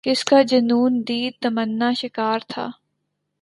کس کا جنون دید تمنا شکار تھا